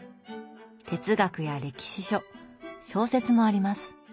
哲学や歴史書小説もあります。